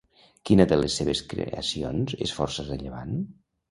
Quina de les seves creacions és força rellevant?